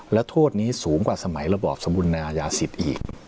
และโทษนี้สูงกว่าสมัยระบอบสมบูรณายาสิทธิ์อีก